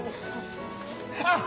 あっ！